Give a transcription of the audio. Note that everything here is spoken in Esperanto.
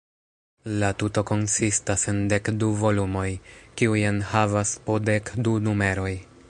La tuto konsistas en dek du volumoj, kiuj enhavas po dek du numeroj.